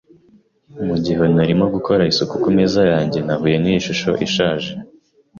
Mugihe narimo gukora isuku ku meza yanjye, nahuye niyi shusho ishaje.